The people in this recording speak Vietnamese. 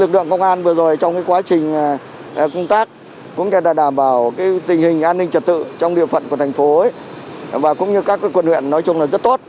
lực lượng công an vừa rồi trong quá trình công tác cũng như đảm bảo tình hình an ninh trật tự trong địa phận của thành phố và cũng như các quận huyện nói chung là rất tốt